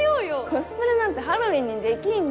コスプレなんてハロウィーンにできんじゃん。